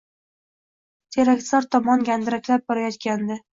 Terakzor tomon gandiraklab borayotgandi